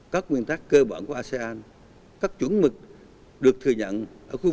các nguyên tác cơ bản của asean các chuẩn mực được thừa nhận ở khu vực